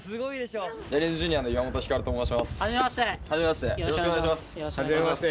よろしくお願いします